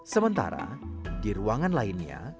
sementara di ruangan lainnya